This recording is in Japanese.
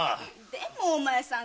でもお前さん。